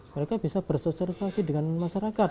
mereka bisa bersosialisasi dengan masyarakat